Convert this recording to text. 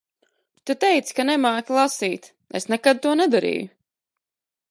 Tu teici ka nemāki lasīt. Es nekad to nedarīju.